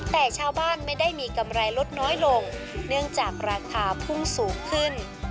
แต่ชาวบ้านไม่ได้มีกำไรลดน้อยลงเนื่องจากราคาพุ่งสูงขึ้น